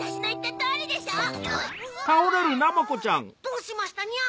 どうしましたにゃ？